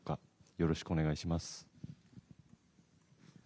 よろしくお願いします。